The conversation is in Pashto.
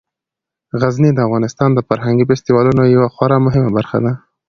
غزني د افغانستان د فرهنګي فستیوالونو یوه خورا مهمه برخه ده.